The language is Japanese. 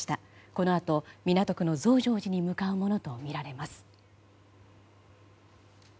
このあと港区の増上寺に向かうものとみられます。